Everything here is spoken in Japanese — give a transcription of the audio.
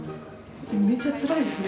めっちゃつらいですね。